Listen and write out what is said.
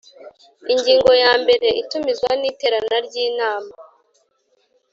Ingingo ya mbere Itumizwa n iterana ry Inama